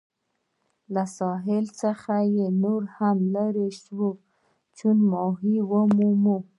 له ساحل څخه نور هم لیري شوو چې ماهي ومومو.